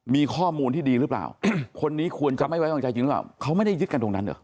มีข้อมูลที่ดีหรือเปล่าคนนี้ควรจะไม่ไว้วางใจจริงหรือเปล่าเขาไม่ได้ยึดกันตรงนั้นเหรอ